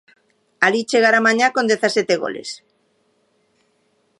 Alí chegará mañá con dezasete goles.